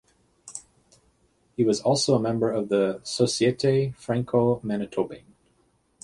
He was also a member of the Societe Franco-Manitobaine.